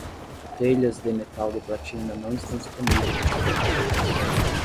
Telhas de metal de platina não estão disponíveis nas prateleiras.